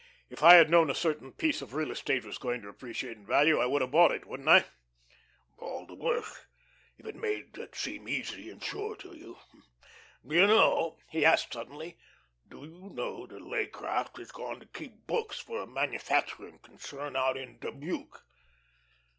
If I had known a certain piece of real estate was going to appreciate in value I would have bought it, wouldn't I?" "All the worse, if it made it seem easy and sure to you. Do you know," he added suddenly. "Do you know that Leaycraft has gone to keep books for a manufacturing concern out in Dubuque?"